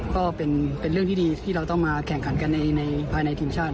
ก็เป็นเรื่องที่ดีที่เราต้องมาแข่งขันกันภายในทีมชาติ